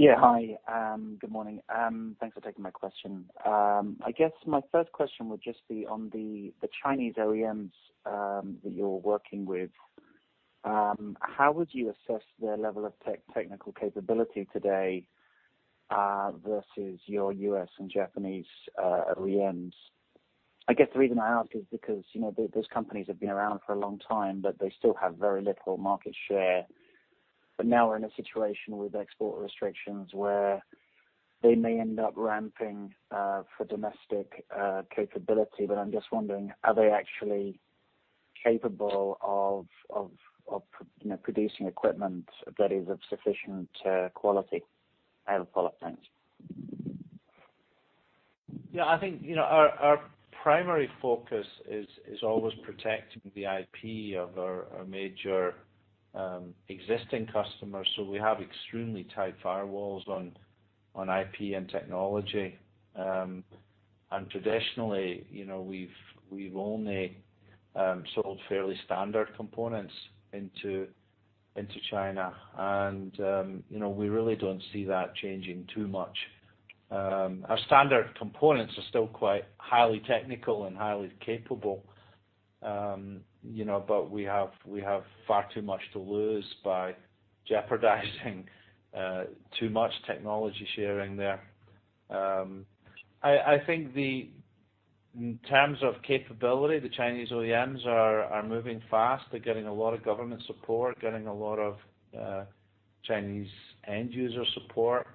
Hi. Good morning. Thanks for taking my question. I guess my first question would just be on the Chinese OEMs that you're working with. How would you assess their level of technical capability today versus your U.S. and Japanese OEMs? I guess the reason I ask is because those companies have been around for a long time, but they still have very little market share. Now we're in a situation with export restrictions where they may end up ramping for domestic capability. I'm just wondering, are they actually capable of producing equipment that is of sufficient quality? I have a follow-up. Thanks. Yeah, I think our primary focus is always protecting the IP of our major existing customers. We have extremely tight firewalls on IP and technology. Traditionally, we've only sold fairly standard components into China, and we really don't see that changing too much. Our standard components are still quite highly technical and highly capable. We have far too much to lose by jeopardizing too much technology sharing there. I think in terms of capability, the Chinese OEMs are moving fast. They're getting a lot of government support, getting a lot of Chinese end-user support.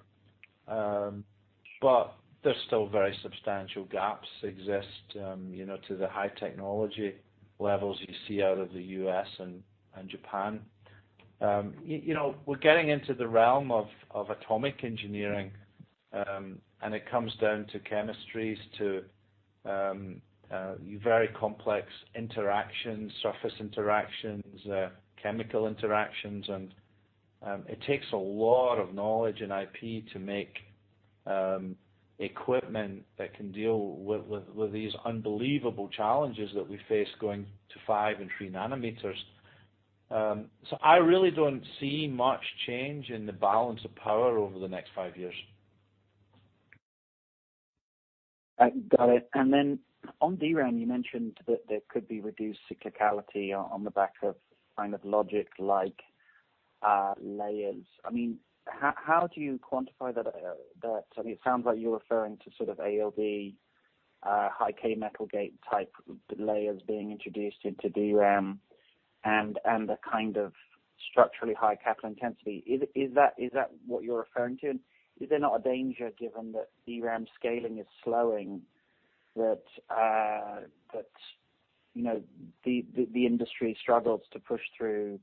There's still very substantial gaps exist to the high technology levels you see out of the U.S. and Japan. We're getting into the realm of atomic engineering, and it comes down to chemistries, to very complex interactions, surface interactions, chemical interactions, and it takes a lot of knowledge and IP to make equipment that can deal with these unbelievable challenges that we face going to five and three nanometers. I really don't see much change in the balance of power over the next five years. Got it. On DRAM, you mentioned that there could be reduced cyclicality on the back of kind of logic like layers. How do you quantify that? It sounds like you're referring to sort of ALD, high-k metal gate type layers being introduced into DRAM, and the kind of structurally high capital intensity. Is that what you're referring to? Is there not a danger, given that DRAM scaling is slowing, that the industry struggles to push through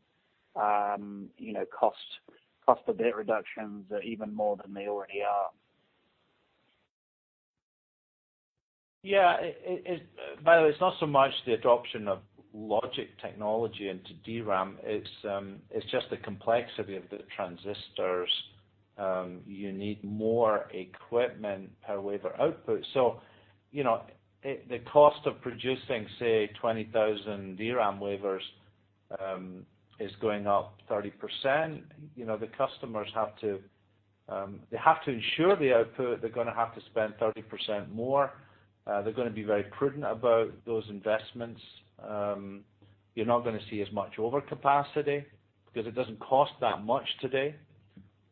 cost per die reductions even more than they already are? Yeah. By the way, it's not so much the adoption of logic technology into DRAM, it's just the complexity of the transistors. You need more equipment per wafer output. The cost of producing, say, 20,000 DRAM wafers, is going up 30%. The customers, they have to ensure the output. They're going to have to spend 30% more. They're going to be very prudent about those investments. You're not going to see as much overcapacity because it doesn't cost that much today.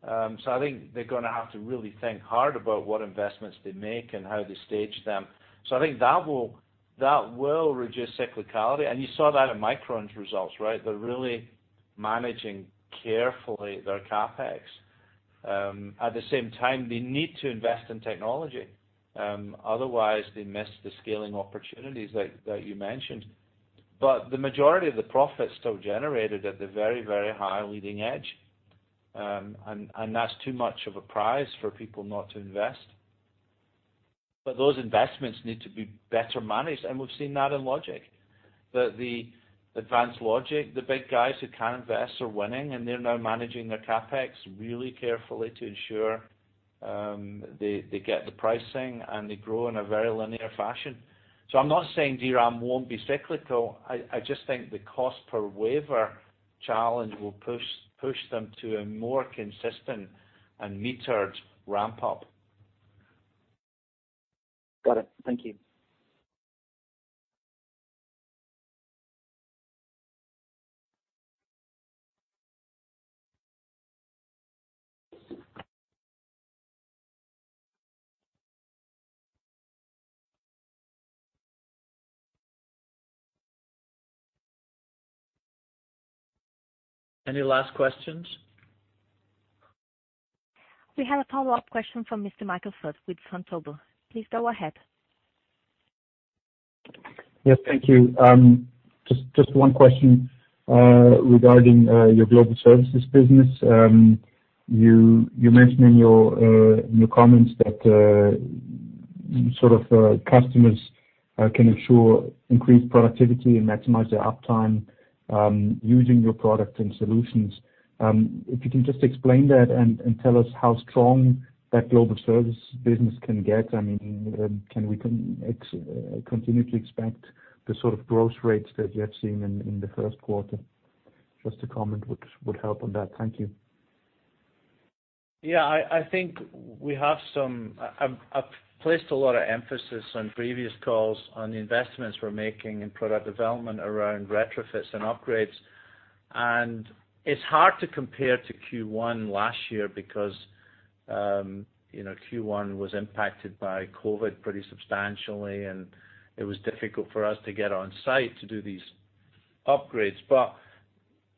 I think they're going to have to really think hard about what investments they make and how they stage them. I think that will reduce cyclicality. You saw that in Micron's results, right? They're really managing carefully their CapEx. At the same time, they need to invest in technology, otherwise they miss the scaling opportunities that you mentioned. The majority of the profit's still generated at the very, very high leading edge. That's too much of a prize for people not to invest. Those investments need to be better managed, and we've seen that in logic, that the advanced logic, the big guys who can invest are winning, and they're now managing their CapEx really carefully to ensure they get the pricing and they grow in a very linear fashion. I'm not saying DRAM won't be cyclical. I just think the cost per wafer challenge will push them to a more consistent and metered ramp-up. Got it. Thank you. Any last questions? We have a follow-up question from Mr. Michael Foeth with Vontobel. Please go ahead. Yes. Thank you. Just one question, regarding your global services business. You mentioned in your comments that sort of customers can ensure increased productivity and maximize their uptime using your product and solutions. If you can just explain that and tell us how strong that global service business can get. Can we continue to expect the sort of growth rates that you have seen in the first quarter? Just a comment would help on that. Thank you. Yeah, I've placed a lot of emphasis on previous calls on the investments we're making in product development around retrofits and upgrades. It's hard to compare to Q1 last year because Q1 was impacted by COVID pretty substantially, and it was difficult for us to get on site to do these upgrades.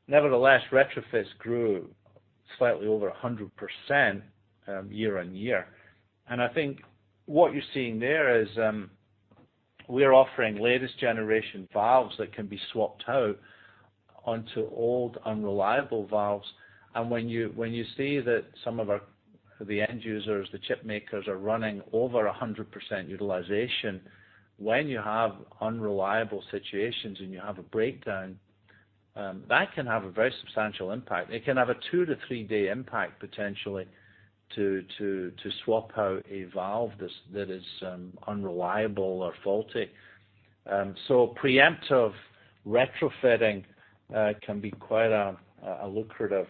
Nevertheless, retrofits grew slightly over 100% year-on-year. I think what you're seeing there is we're offering latest generation valves that can be swapped out onto old, unreliable valves. When you see that some of the end users, the chip makers, are running over 100% utilization, when you have unreliable situations and you have a breakdown, that can have a very substantial impact. It can have a two to three-day impact, potentially, to swap out a valve that is unreliable or faulty. Preemptive retrofitting can be quite a lucrative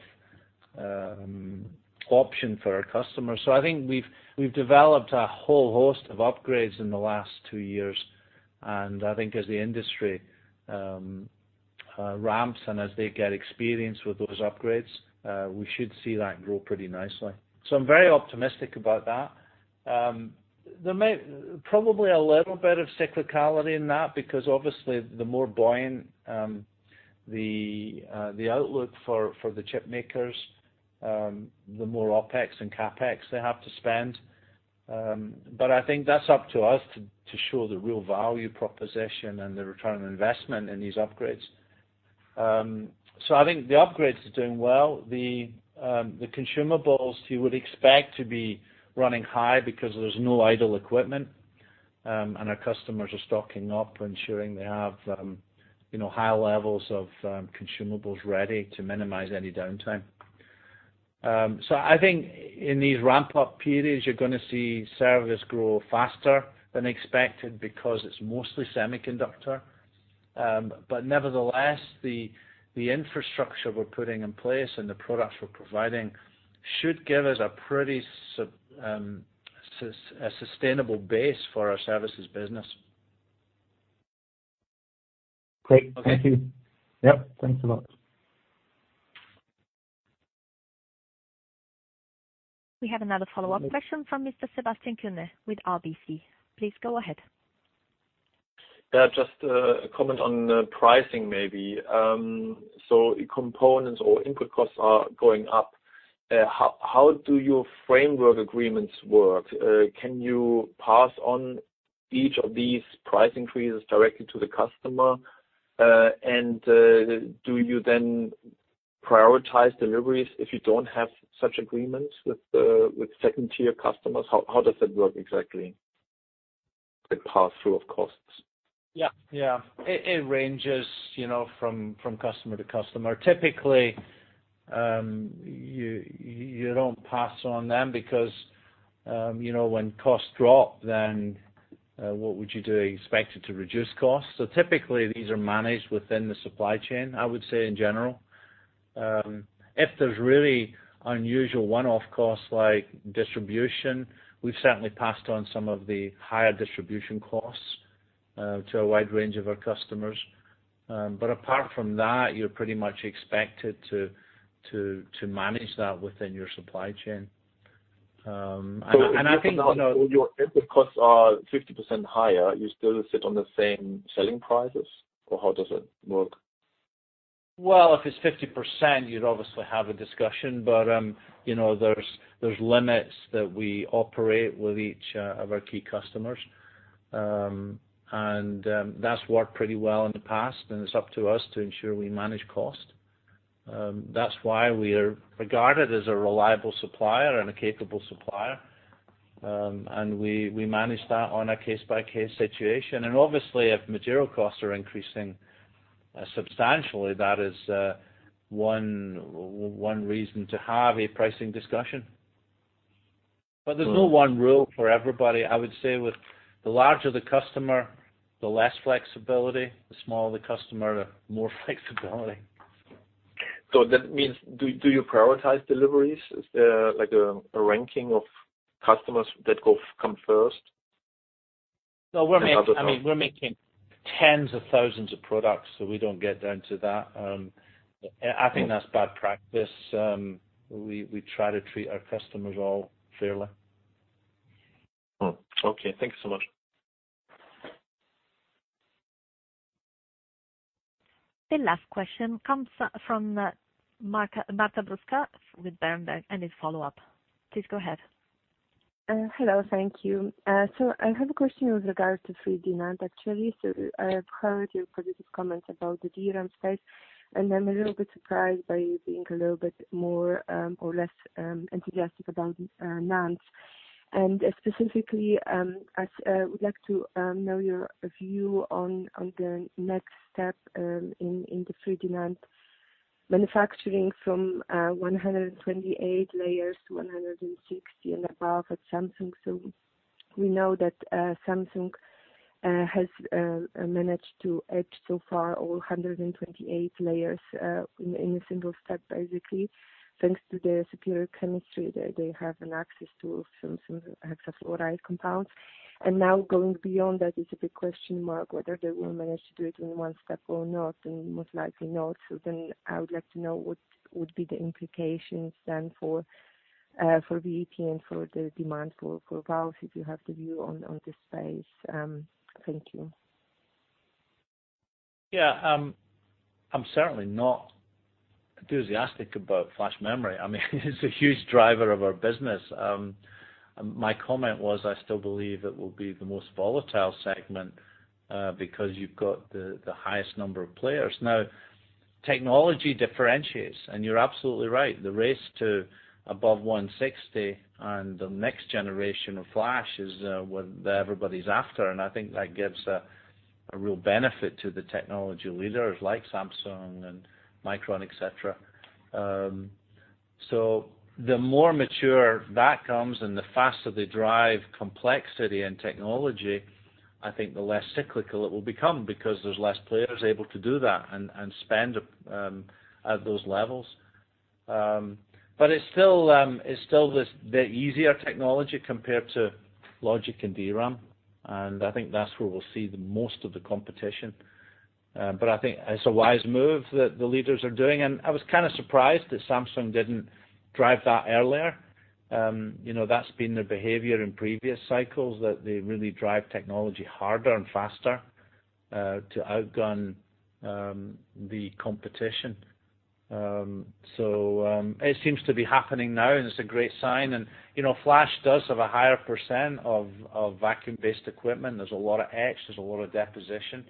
option for our customers. I think we've developed a whole host of upgrades in the last two years. I think as the industry ramps and as they get experience with those upgrades, we should see that grow pretty nicely. I'm very optimistic about that. There may probably be a little bit of cyclicality in that, because obviously the more buoyant the outlook for the chip makers, the more OpEx and CapEx they have to spend. I think that's up to us to show the real value proposition and the return on investment in these upgrades. I think the upgrades are doing well. The consumables you would expect to be running high because there's no idle equipment, and our customers are stocking up, ensuring they have high levels of consumables ready to minimize any downtime. I think in these ramp-up periods, you're going to see service grow faster than expected because it's mostly semiconductor. Nevertheless, the infrastructure we're putting in place and the products we're providing should give us a pretty sustainable base for our services business. Great. Thank you. Okay. Yep. Thanks a lot. We have another follow-up question from Mr. Sebastian Kuenne with RBC. Please go ahead. Yeah, just a comment on pricing maybe. Components or input costs are going up. How do your framework agreements work? Can you pass on each of these price increases directly to the customer? Do you then prioritize deliveries if you don't have such agreements with second-tier customers? How does that work exactly, the pass-through of costs? Yeah. It ranges from customer to customer. Typically, you don't pass on them because when costs drop, then what would you do? Expect it to reduce cost? Typically, these are managed within the supply chain, I would say, in general. If there's really unusual one-off costs like distribution, we've certainly passed on some of the higher distribution costs to a wide range of our customers. Apart from that, you're pretty much expected to manage that within your supply chain. If your input costs are 50% higher, you still sit on the same selling prices? How does it work? Well, if it's 50%, you'd obviously have a discussion. There's limits that we operate with each of our key customers. That's worked pretty well in the past, and it's up to us to ensure we manage cost. That's why we are regarded as a reliable supplier and a capable supplier. We manage that on a case-by-case situation. Obviously, if material costs are increasing substantially, that is one reason to have a pricing discussion. There's no one rule for everybody. I would say with the larger the customer, the less flexibility, the smaller the customer, the more flexibility. That means do you prioritize deliveries? Is there a ranking of customers that come first? No, we're making tens of thousands of products, so we don't get down to that. I think that's bad practice. We try to treat our customers all fairly. Okay. Thank you so much. The last question comes from Marta Brzoska with Berenberg. It's a follow-up. Please go ahead. Hello. Thank you. I have a question with regard to 3D NAND, actually. I have heard your previous comments about the DRAM space, and I'm a little bit surprised by you being a little bit more or less enthusiastic about NAND. Specifically, I would like to know your view on the next step in the 3D NAND manufacturing from 128 layers to 160 and above at Samsung. We know that Samsung has managed to etch so far all 128 layers in a single step, basically, thanks to the superior chemistry that they have an access to Samsung hexafluoride compounds. Now going beyond that is a big question mark, whether they will manage to do it in one step or not, and most likely not. I would like to know what would be the implications then for VAT and for the demand for valves, if you have the view on this space. Thank you. Yeah. I'm certainly not enthusiastic about flash memory. I mean, it's a huge driver of our business. My comment was, I still believe it will be the most volatile segment because you've got the highest number of players. Technology differentiates, and you're absolutely right. The race to above 160 and the next generation of flash is what everybody's after, and I think that gives a real benefit to the technology leaders like Samsung and Micron, et cetera. The more mature that comes and the faster they drive complexity and technology, I think the less cyclical it will become because there's less players able to do that and spend at those levels. It's still the easier technology compared to logic and DRAM, and I think that's where we'll see the most of the competition. I think it's a wise move that the leaders are doing. I was kind of surprised that Samsung didn't drive that earlier. That's been their behavior in previous cycles, that they really drive technology harder and faster to outgun the competition. It seems to be happening now, and it's a great sign. Flash does have a higher percent of vacuum-based equipment. There's a lot of etch, there's a lot of deposition.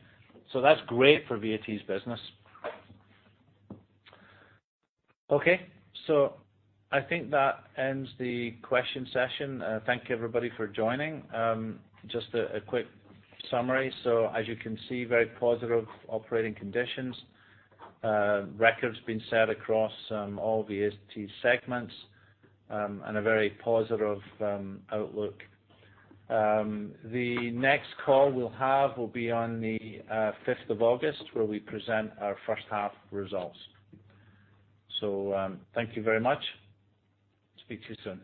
That's great for VAT's business. I think that ends the question session. Thank you, everybody, for joining. Just a quick summary. As you can see, very positive operating conditions. Records being set across all VAT segments, and a very positive outlook. The next call we'll have will be on the 5th of August, where we present our first half results. Thank you very much. Speak to you soon.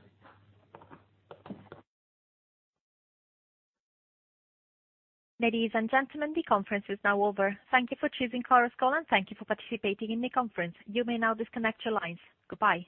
Ladies and gentlemen, the conference is now over. Thank you for choosing Chorus Call, and thank you for participating in the conference. You may now disconnect your lines. Goodbye